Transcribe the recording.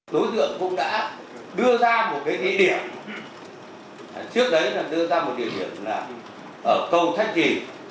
đối tượng cũng đã đưa ra một cái địa điểm trước đấy là đưa ra một địa điểm là ở cầu thanh trì